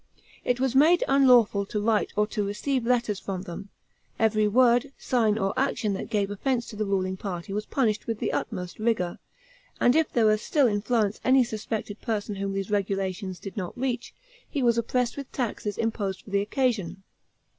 It was made unlawful to write to or to receive letters from them; every word, sign, or action that gave offense to the ruling party was punished with the utmost rigor; and if there was still in Florence any suspected person whom these regulations did not reach, he was oppressed with taxes imposed for the occasion.